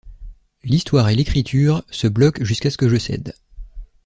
L’histoire et l’écriture se bloquent jusqu’à ce que je cède.